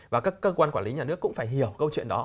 và các cơ quan quản lý nhà nước cũng phải hiểu câu chuyện đó